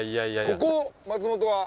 ここ松本は？